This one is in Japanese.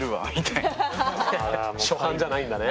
初犯じゃないんだね。